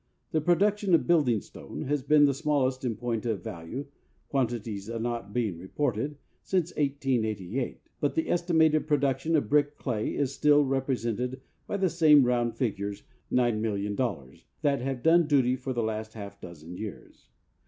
The production of building stone has been the smallest in point of value (quantities not being reported) since 1888, but the estimated production of brick clay is still represented b}'' the same round figures, $9,000,000, that have done duty for the last half dozen years.